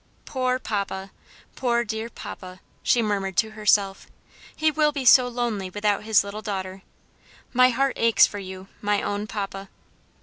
"Poor papa! poor, dear papa!" she murmured to herself; "he will be so lonely without his little daughter. My heart aches for you, my own papa."